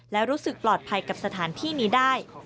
และรู้สึกปลอดภัยกับสถานที่นี้ได้